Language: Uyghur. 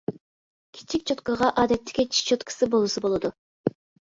كىچىك چوتكىغا ئادەتتىكى چىش چوتكىسى بولسا بولىدۇ.